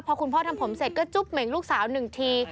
พอคุณพ่อทำผมเสร็จก็จุ๊บเหม่งลูกสาวหนึ่งที